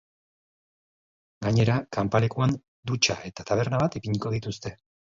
Gainera, kanpalekuan dutxa eta taberna bat ipiniko dituzte.